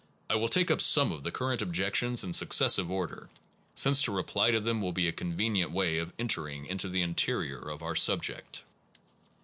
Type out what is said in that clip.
I will take up some of the current objections in successive order, since to reply to them will be a convenient way of entering into the interior of our subject.